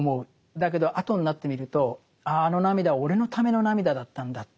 だけど後になってみるとあああの涙は俺のための涙だったんだって。